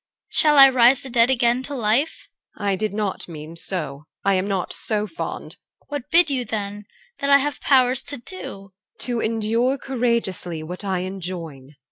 Shall I raise the dead again to life? EL. I did not mean so. I am not so fond. CHR. What bid you then that I have power to do? EL. To endure courageously what I enjoin.